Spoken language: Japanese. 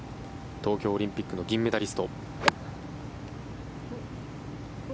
東京オリンピックの銀メダリスト。